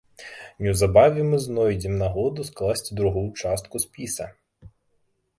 Неўзабаве мы знойдзем нагоду скласці другую частку спіса.